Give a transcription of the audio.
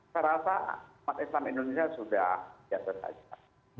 saya rasa umat islam indonesia sudah biasa saja